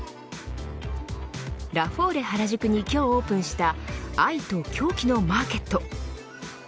ラフォーレ原宿に今日オープンした愛と狂気のマーケット。